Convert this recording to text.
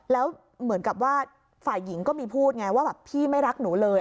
แล้วเหมือนกับว่าฝ่ายหญิงก็มีพูดไงว่าแบบพี่ไม่รักหนูเลย